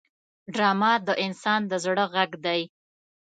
ډرامه د انسان د زړه غږ دی